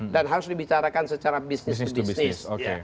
dan harus dibicarakan secara business to business